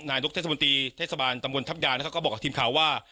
นายกเทศมนตรีเทศบาลตำบลทัพยานะครับก็บอกกับทีมข่าวว่า